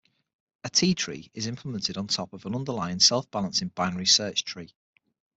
A T-tree is implemented on top of an underlying self-balancing binary search tree.